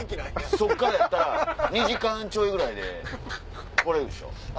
そっからやったら２時間ちょいで来れるでしょ